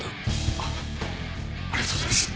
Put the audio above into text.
ありがとうございます。